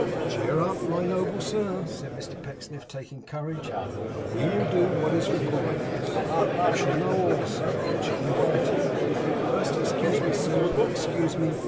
'Cheer up, my noble sir,' said Mr Pecksniff, taking courage, 'and we will do what is required of us. You shall know all, sir, and shall be righted. But first excuse me, sir, excuse me.